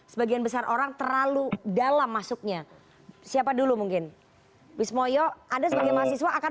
sebagian besar orang terlalu dalam masuknya siapa dulu mungkin wismoyo anda sebagai mahasiswa akan